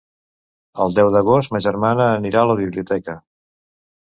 El deu d'agost ma germana anirà a la biblioteca.